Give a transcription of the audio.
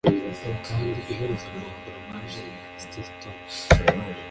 Kandi iherezo rya foromaje ya Stilton